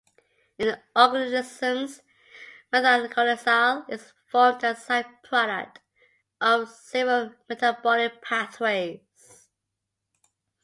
In organisms, methylglyoxal is formed as a side-product of several metabolic pathways.